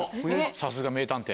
さすが名探偵。